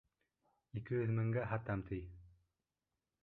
Ике йөҙ меңгә һатам, ти.